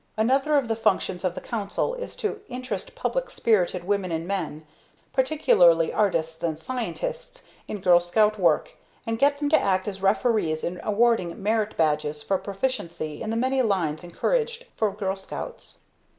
Another of the functions of the Council is to interest public spirited women and men, particularly artists and scientists in Girl Scout work and get them to act as referees in awarding Merit Badges for proficiency in the many lines encouraged for Girl Scouts.